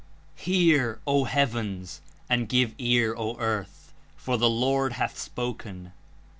Hear, O Heavens, and give ear O Earth: for the Lord hath spoken!